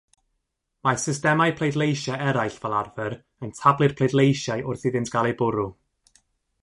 Mae systemau pleidleisio eraill fel arfer yn tablu'r pleidleisiau wrth iddynt gael eu bwrw.